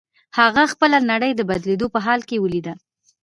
هغه خپله نړۍ د بدلېدو په حال کې وليده.